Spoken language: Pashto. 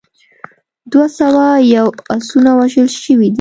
دوه سوه یو اسونه وژل شوي دي.